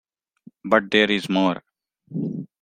But there is more.